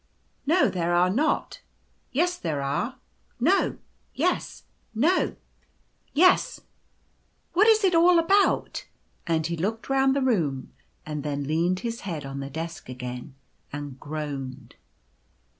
No there are not — yes there are — no — yes — no, 1 20 One Seven. yes — what is it all about? " and he looked round the room, and then leaned his head 011 the desk again and groaned.